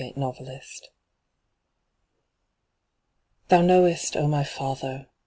THOU KNOWEST Thou knowest, O my Father